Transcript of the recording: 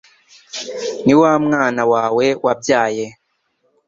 Ni wa mwana wawe wabyaye